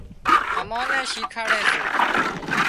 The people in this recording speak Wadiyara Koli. امان نين شيکاڙِ سي